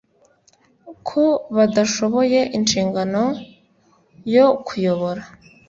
ko badashoboye inshingano yo kuyobora